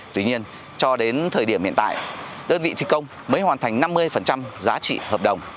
tuy nhiên cho đến thời điểm hiện tại đơn vị thi công mới hoàn thành năm mươi giá trị hợp đồng